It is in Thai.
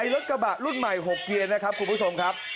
รถกระบะรุ่นใหม่๖เกียร์นะครับคุณผู้ชมครับ